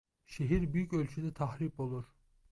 Şehir büyük ölçüde tahrip olur.